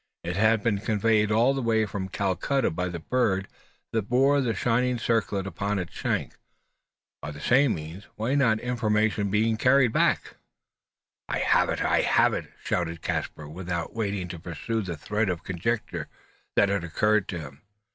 It had been conveyed all the way from Calcutta by the bird that bore the shining circlet upon its shank. By the same means why might not information be carried back? Why "I have it! I have it!" shouted Caspar, without waiting to pursue the thread of conjecture that had occurred to him.